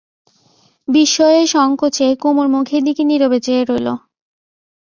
বিস্ময়ে সংকোচে কুমুর মুখের দিকে নীরবে চেয়ে রইল।